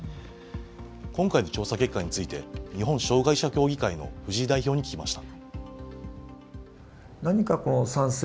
今回の調査結果について、日本障害者協議会の藤井代表に聞きました。